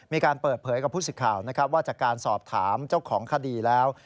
มีการเปิดเผยกับผู้สิทธิ์ข่าวนะครับว่าจากการสอบถามเจ้าของคดีแล้ว